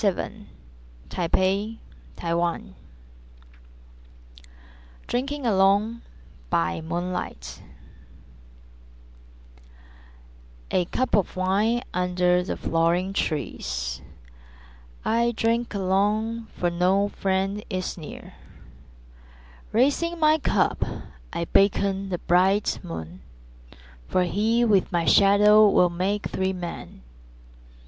701 762_] [3 5] DRINKING ALONE BY MOONLIGHT [Three Poems] I A cup of wine, under the flowering trees; I drink alone, for no friend is near. Raising my cup I beckon the bright moon, For he, with my shadow, will make three men.